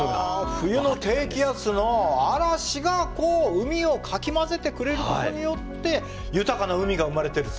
冬の低気圧の嵐がこう海をかき混ぜてくれることによって豊かな海が生まれてると。